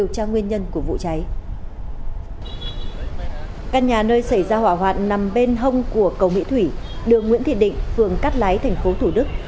căn nhà nơi xảy ra hỏa hoạn nằm bên hông của cầu mỹ thủy đường nguyễn thị định phường cát lái tp thủ đức